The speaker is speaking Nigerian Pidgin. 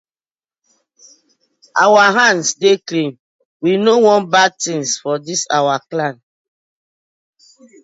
Our hands dey clean, we no wan bad tinz for dis our clan.